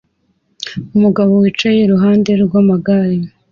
Umugabo wicaye iruhande rw'amagare